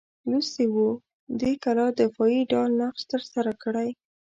لوستي وو دې کلا دفاعي ډال نقش ترسره کړی.